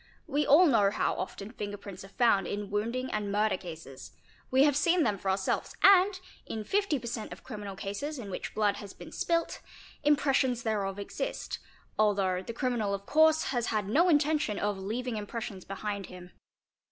We all know how often finger prints. are found in wounding and murder cases; we have seen them for ourselves and, in 50 per cent. of criminal cases in which blood has been spilt, impressions thereof exist, although the criminal of course has had no intention of 'leaving impressions behind him."